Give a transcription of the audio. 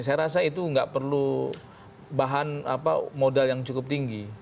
saya rasa itu nggak perlu bahan modal yang cukup tinggi